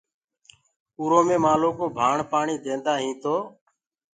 اُرو مين مآلو ڪو ڀآڻ پآڻي ديندآ هين تو